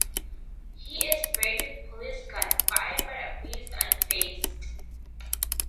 He is sprayed with police gun fire but appears unfazed.